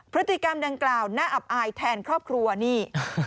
พฤติกรรมดังกล่าวน่าอับอายแทนครอบครัวนี่